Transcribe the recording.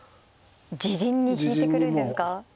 自陣に引いてくるんですか。